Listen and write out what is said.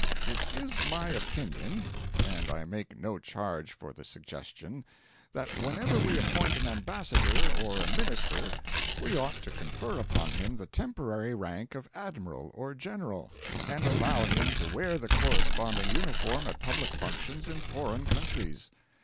It is my opinion and I make no charge for the suggestion that, whenever we appoint an ambassador or a minister, we ought to confer upon him the temporary rank of admiral or general, and allow him to wear the corresponding uniform at public functions in foreign countries.